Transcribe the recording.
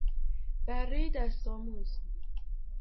برهی دست آموز